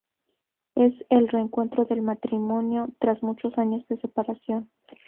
Es el reencuentro del matrimonio tras muchos años de separación.